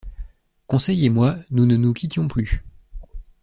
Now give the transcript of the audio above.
Conseil et moi, nous ne nous quittions plus.